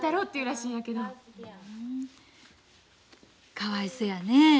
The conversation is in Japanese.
かわいそやね。